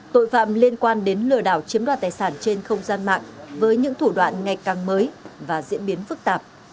tội phạm liên quan đến lừa đảo chiếm đoạt tài sản trên không gian mạng với những thủ đoạn ngày càng mới và diễn biến phức tạp